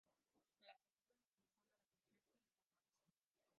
La segunda, la inclusión de la conciencia en los animales superiores.